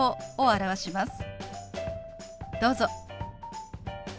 どうぞ。